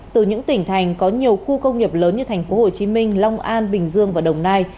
từ những tỉnh thành có nhiều khu công nghiệp lớn như thành phố hồ chí minh long an bình dương và đồng nai